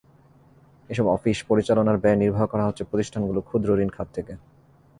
এসব অফিস পরিচালনার ব্যয় নির্বাহ করা হচ্ছে প্রতিষ্ঠানগুলোর ক্ষুদ্রঋণ খাত থেকে।